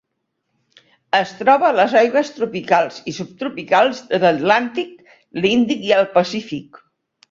Es troba a les aigües tropicals i subtropicals de l'Atlàntic, l'Índic i el Pacífic.